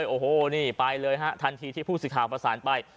โอ้โหนี่ไปเลยฮะทันทีที่ผู้สื่อข่าวประสานไป